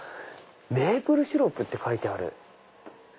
メープルシロップって書いてある。